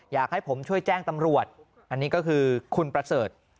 อยากให้ผมช่วยแจ้งตำรวจอันนี้ก็คือคุณประเสริฐ